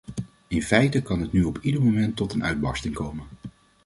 In feite kan het nu op ieder moment tot een uitbarsting komen.